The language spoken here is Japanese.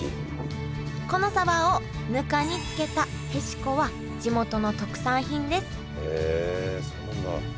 このサバをぬかに漬けたへしこは地元の特産品です